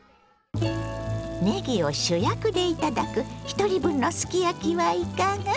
ねぎを主役で頂くひとり分のすき焼きはいかが？